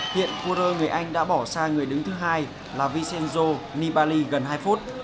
hiện quân rơi người anh đã bỏ xa người đứng thứ hai là vicenzo nibali gần hai phút